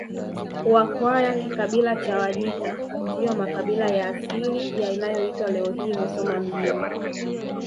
Wakwaya kikabila cha Wajita ndiyo makabila ya asili ya inayoitwa leo hii Musoma mjini